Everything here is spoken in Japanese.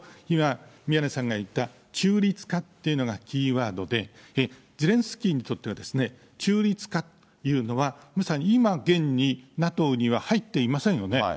今、宮根さんが言った中立化というのがキーワードで、ゼレンスキーにとっては、中立化っていうのは、まさに今、現にＮＡＴＯには入っていませんよね。